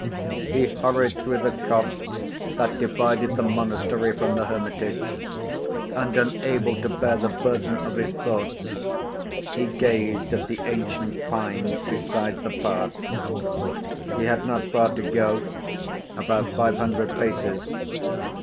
He hurried through the copse that divided the monastery from the hermitage, and unable to bear the burden of his thoughts, he gazed at the ancient pines beside the path. He had not far to go—about five hundred paces.